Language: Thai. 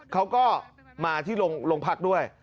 เขาก็มาที่โรงพักด้วย